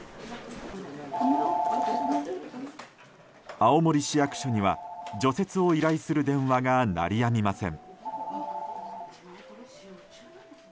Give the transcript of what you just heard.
青森市役所には除雪を依頼する電話が鳴りやみません。